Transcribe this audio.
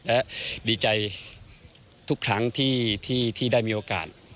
และดีใจทุกครั้งที่ได้มีโอกาส